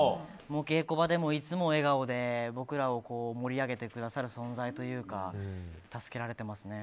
稽古場でも、いつも笑顔で僕らを盛り上げてくださる存在というか助けられてますね。